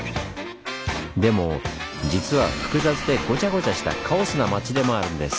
でも実は複雑でごちゃごちゃしたカオスな街でもあるんです。